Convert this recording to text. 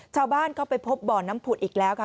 ชาวบ้านเข้าไปพบบ่อน้ำผุดอีกแล้วค่ะ